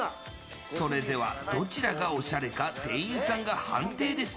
それではどちらがおしゃれか店員さんが判定です。